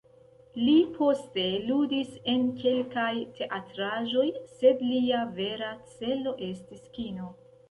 Li poste ludis en kelkaj teatraĵoj, sed lia vera celo estis kino.